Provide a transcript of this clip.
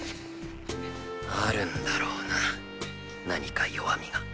あるんだろうな何か弱みが。